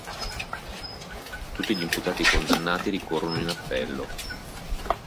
Tutti gli imputati condannati ricorrono in appello.